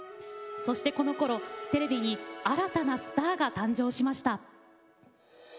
そしてこのころ、テレビに新たなスターが誕生しました。